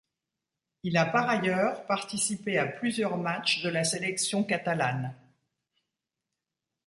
Il a par ailleurs participé à plusieurs matches de la sélection catalane.